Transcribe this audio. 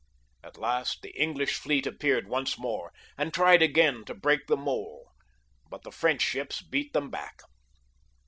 At last the English fleet appeared once mdre, and^triied again to break the mole, but the French ships beat them back.